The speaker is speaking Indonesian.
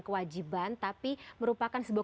kewajiban tapi merupakan sebuah